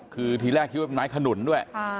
คือทีแรกคิดว่าเป็นไม้ขนุนด้วย